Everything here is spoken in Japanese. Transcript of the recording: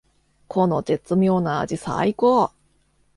この絶妙な味さいこー！